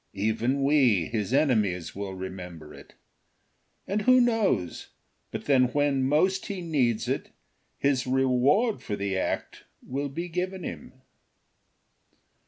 Even we, his enemies, will remember it. And who knows but that when most he needs it his reward for the act will be given him.